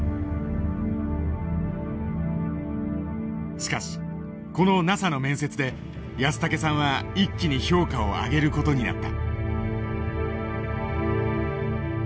しかしこのＮＡＳＡの面接で安竹さんは一気に評価を上げる事になった。